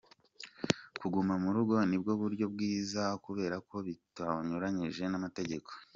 Kuguma mu rugo nibwo buryo bwiza kubera ko bitanyuranyije n’amategeko.